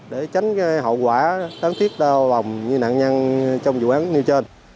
để tránh hậu quả đáng tiếc như nạn nhân trong vụ án như trên